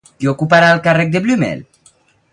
Qui ocuparà el càrrec de Blümel?